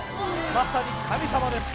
まさに神様です